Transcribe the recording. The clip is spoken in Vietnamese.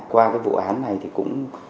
qua cái vụ án này thì cũng